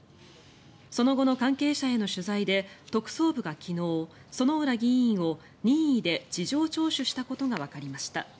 その後の関係者への取材で特捜部が昨日薗浦議員を任意で事情聴取したことがわかりました。